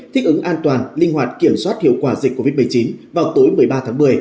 thích ứng an toàn linh hoạt kiểm soát hiệu quả dịch covid một mươi chín vào tối một mươi ba tháng một mươi